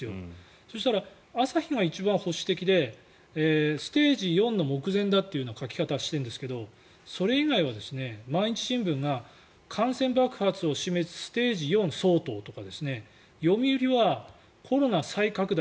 そしたら、朝日が一番保守的でステージ４の目前だって書き方をしているんですがそれ以外は毎日新聞が感染爆発を示すステージ４相当とか読売はコロナ再拡大